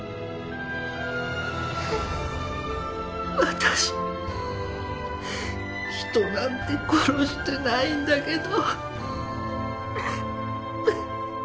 私人なんて殺してないんだけど